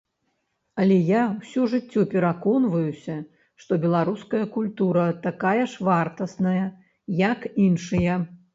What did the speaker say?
Але я ўсё жыццё пераконваюся, што беларуская культура такая ж вартасная, як іншыя.